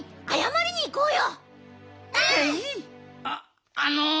あっあの。